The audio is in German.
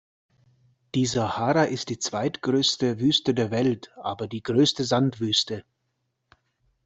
Die Sahara ist die zweitgrößte Wüste der Welt, aber die größte Sandwüste.